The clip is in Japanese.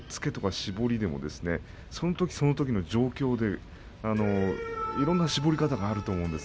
絞りでもそのときそのときの状況でいろんな絞り方があると思います。